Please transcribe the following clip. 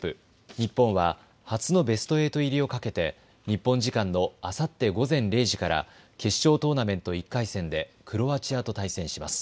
日本は初のベスト８入りをかけて日本時間のあさって午前０時から決勝トーナメント１回戦でクロアチアと対戦します。